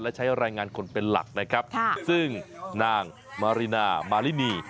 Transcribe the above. และใช้รายงานคนเป็นหลักนะครับซึ่งนางมารินามารินี